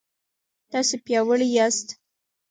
تاسو پیاوړي یاست